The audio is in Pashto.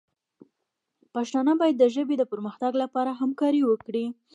پښتانه باید د ژبې د پرمختګ لپاره همکاري وکړي.